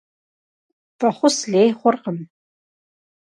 ФӀэхъус лей хъуркъым.